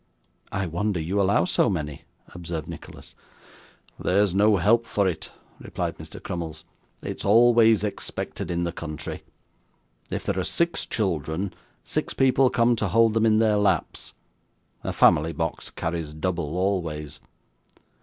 'I wonder you allow so many,' observed Nicholas. 'There's no help for it,' replied Mr. Crummles; 'it's always expected in the country. If there are six children, six people come to hold them in their laps. A family box carries double always.